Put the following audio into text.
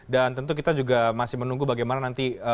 dan tentu kita juga masih menunggu bagaimana nanti